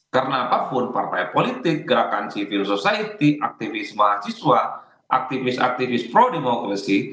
karena apapun partai politik gerakan civil society aktivis mahasiswa aktivis aktivis pro demokrasi